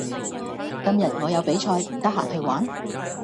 今日我有比賽，唔得閒去玩